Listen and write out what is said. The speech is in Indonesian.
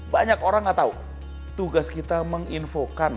banyak orang gak tau tugas kita menginfokan